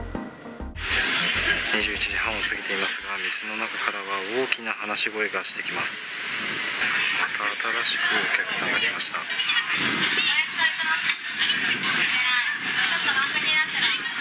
２１時半を過ぎていますが、店の中からは大きな話し声がしています。